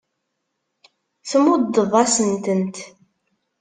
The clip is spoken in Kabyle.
Tmuddeḍ-asen-tent.